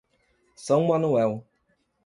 São Manuel